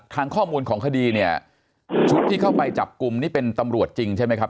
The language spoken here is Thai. ท่านรองโฆษกครับท่านรองโฆษกครับ